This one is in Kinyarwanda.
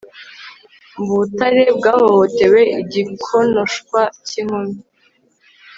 mubutare bwahohotewe igikonoshwa cyinkumi